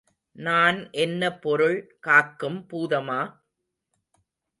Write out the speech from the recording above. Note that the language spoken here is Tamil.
நான் என்ன பொருள் காக்கும் பூதமா?